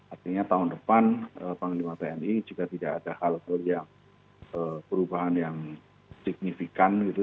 artinya tahun depan panglima tni juga tidak ada hal hal yang perubahan yang signifikan gitu